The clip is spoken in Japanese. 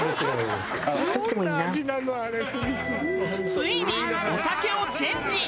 ついにお酒をチェンジ。